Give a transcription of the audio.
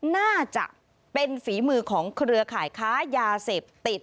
น่าจะเป็นฝีมือของเครือข่ายค้ายาเสพติด